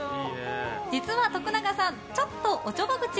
実は徳永さんちょっと、おちょぼ口。